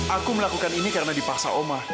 aku melakukan ini karena dipaksa oma